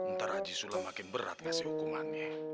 ntar aja sholat makin berat gak sih hukumannya